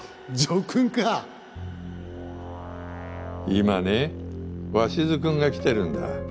今ね鷲津君が来てるんだ。